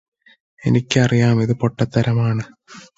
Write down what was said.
എനിക്കറിയാം ഇത് പൊട്ടത്തരമാണ്